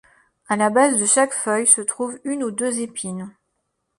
À la base de chaque feuille se trouvent une ou deux épines.